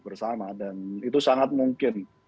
bersama dan itu sangat mungkin